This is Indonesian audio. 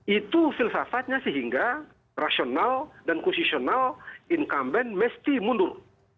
itu filsafatnya sehingga rasional dan kusisional income bank mesti mundur